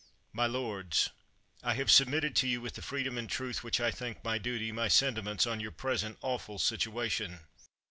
My lords, I have submitted to you, with the freedom and truth which I think my duty, my sentiments on your present awful situation.